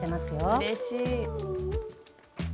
うれしい。